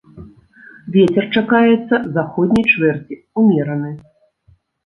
Вецер чакаецца заходняй чвэрці, умераны.